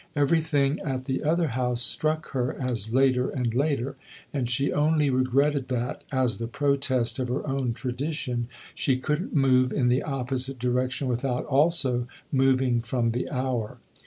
Everything at the other house struck her as later and later, and she only regretted that, as the protest of her own tradition, she couldn't move in the opposite direction without also moving from the hour.